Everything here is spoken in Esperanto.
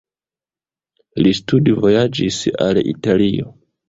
Li studvojaĝis al Italio.